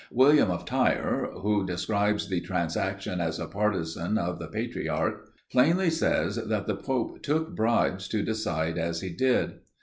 William of Tyre, who describes the transaction as a partisan of the patriarch, plainly says that the pope took bribes to decide as he did.